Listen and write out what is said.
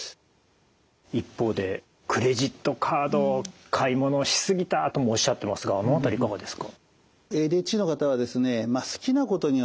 一方でクレジットカードを買い物をし過ぎたともおっしゃってますがあの辺りいかがですか？